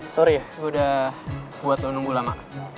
sorry ya gue udah buat lo nunggu lama